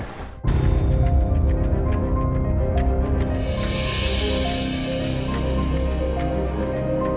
aku mau pulang aku mau